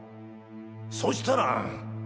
そしたら。